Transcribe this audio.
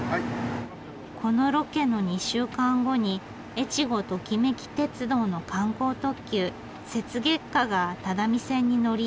このロケの２週間後にえちごトキめき鉄道の観光特急雪月花が只見線に乗り入れる